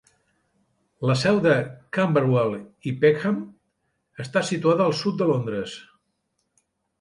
La seu de Camberwell i Peckham està situada al sud de Londres.